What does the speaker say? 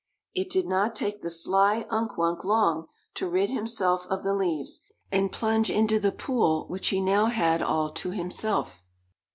It did not take the sly Unk Wunk long to rid himself of the leaves, and plunge into the pool which he now had all to himself.